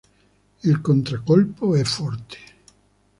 Il contraccolpo è forte.